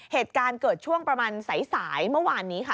เหตุการณ์เกิดช่วงประมาณสายเมื่อวานนี้ค่ะ